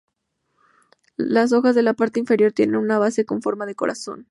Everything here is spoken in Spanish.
Las hojas de la parte inferior tienen una base con forma de corazón.